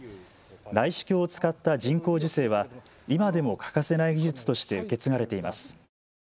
内視鏡を使った人工授精は今でも欠かせない技術として受け継がれています。